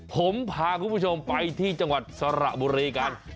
ผมพาคุณผู้ชมไปที่จังหวัดสระบุรีกัน